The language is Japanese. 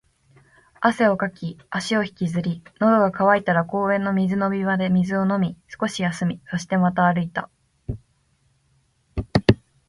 汗をかき、足を引きずり、喉が渇いたら公園の水飲み場で水を飲み、少し休み、そしてまた歩いた